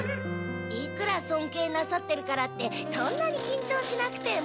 いくらそんけいなさってるからってそんなにきんちょうしなくても。